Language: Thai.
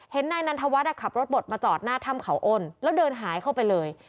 นายนันทวัฒน์ขับรถบดมาจอดหน้าถ้ำเขาอ้นแล้วเดินหายเข้าไปเลย